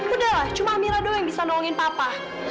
udah lah cuma amira doang yang bisa nolongin papa